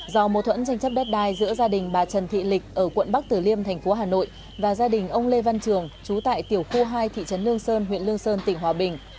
do mâu thuẫn tranh chấp đất đai giữa gia đình bà trần thị lịch ở quận bắc tử liêm thành phố hà nội và gia đình ông lê văn trường trú tại tiểu khu hai thị trấn lương sơn huyện lương sơn tỉnh hòa bình